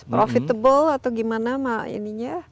profitable atau gimana mak ininya